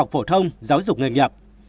phổ thông giáo dục nghề nghiệp